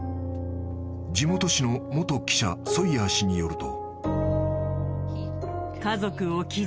［地元紙の元記者ソイヤー氏によると］